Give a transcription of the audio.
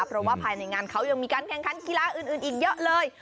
เพราะว่าภายในงานเขายังมีการแข่งขันกีฬาอื่นอีกเยอะเลย